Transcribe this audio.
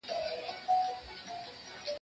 مسجد چي هر رنگه خراب سي، محراب ئې پر ځاى وي.